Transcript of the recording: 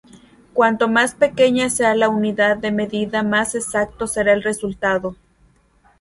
Cuanto más pequeña sea la unidad de medida más exacto será el resultado.